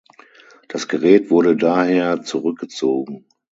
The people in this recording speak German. Das Gerät wurde daher zurückgezogen.